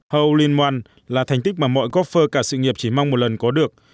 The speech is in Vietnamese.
hole in one là thành tích mà mọi góp phơ cả sự nghiệp chỉ mong một lần có được